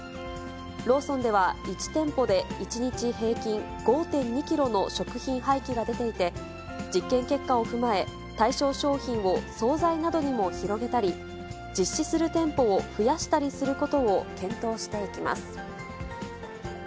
ローソンでは１店舗で１日平均５．２キロの食品廃棄が出ていて、実験結果を踏まえ、対象商品を総菜などにも広げたり、実施する店舗を増やしたりすることを検討していきます。